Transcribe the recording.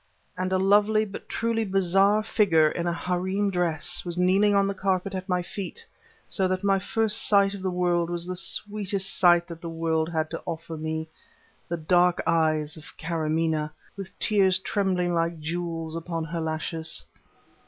and a lovely but truly bizarre figure, in a harem dress, was kneeling on the carpet at my feet; so that my first sight of the world was the sweetest sight that the world had to offer me, the dark eyes of Karamaneh, with tears trembling like jewels upon her lashes!